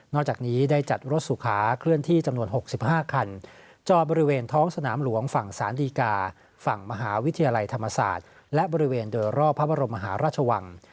จากนี้ได้จัดรถสุขาเคลื่อนที่จำนวน๖๕คันจอบริเวณท้องสนามหลวงฝั่งสารดีกาฝั่งมหาวิทยาลัยธรรมศาสตร์และบริเวณโดยรอบพระบรมมหาราชวัง